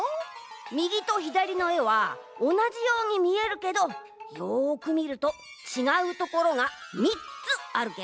みぎとひだりのえはおなじようにみえるけどよくみるとちがうところが３つあるケロ。